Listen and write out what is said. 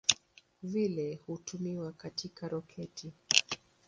Vile hutumiwa katika roketi.